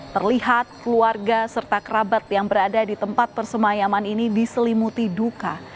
terlihat keluarga serta kerabat yang berada di tempat persemayaman ini diselimuti duka